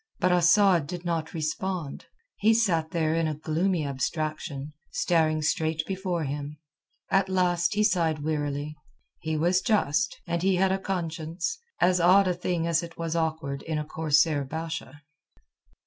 But Asad did not respond. He sat there in a gloomy abstraction, staring straight before him. At last he sighed wearily. He was just, and he had a conscience, as odd a thing as it was awkward in a corsair Basha.